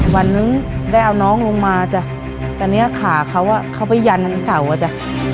วันนึงได้เอาน้องลงมาจ้ะแต่เนี่ยขาเขาเข้าไปยันตั้งเก่าอะจ้ะ